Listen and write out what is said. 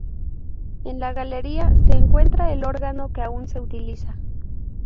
En la galería se encuentra el órgano que aún se utiliza.